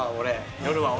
夜は俺！